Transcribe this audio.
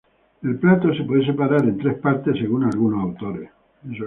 El plato se puede separar en tres partes según algunos autores.